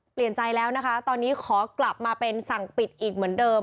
เปลี่ยนใจแล้วนะคะตอนนี้ขอกลับมาเป็นสั่งปิดอีกเหมือนเดิม